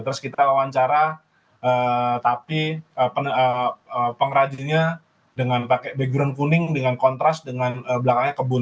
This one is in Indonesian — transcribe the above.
terus kita wawancara tapi pengrajinnya dengan pakai background kuning dengan kontras dengan belakangnya kebun